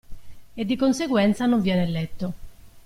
E di conseguenza non viene letto.